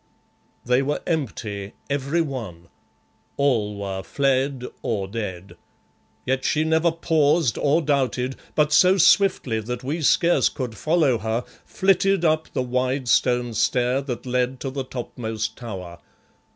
They were empty, every one all were fled or dead. Yet she never paused or doubted, but so swiftly that we scarce could follow her, flitted up the wide stone stair that led to the topmost tower.